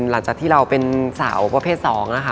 หลังจากที่เราเป็นสาวประเภท๒นะคะ